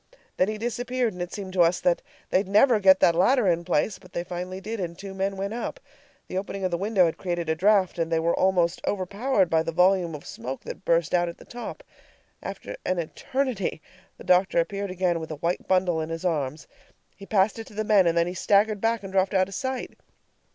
Then he disappeared, and it seemed to us that they'd never get that ladder in place; but they finally did, and two men went up. The opening of the window had created a draft, and they were almost overpowered by the volume of smoke that burst out at the top. After an eternity the doctor appeared again with a white bundle in his arms. He passed it out to the men, and then he staggered back and dropped out of sight!